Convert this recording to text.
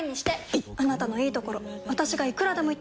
いっあなたのいいところ私がいくらでも言ってあげる！